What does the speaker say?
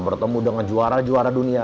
bertemu dengan juara juara dunia